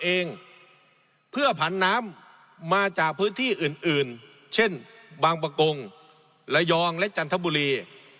เองเพื่อผันน้ำมาจากพื้นที่อื่นอื่นเช่นบางประกงระยองและจันทบุรี